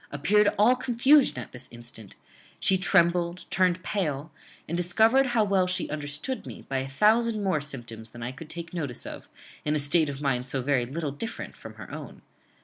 appeared all confusion at this instant. She trembled, turned pale, and discovered how well she understood me, by a thousand more symptoms than I could take notice of, in a state of mind so very little different from her own.